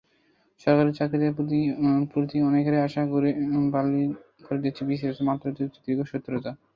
সরকারি চাকরির প্রতি অনেকেরই আশায় গুড়ে বালি করে দিচ্ছে বিসিএসের মাত্রাতিরিক্ত দীর্ঘসূত্রতা।